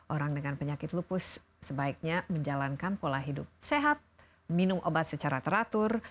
orang dengan penyakit lupus sebaiknya menjalankan pola hidup sehat minum obat secara teratur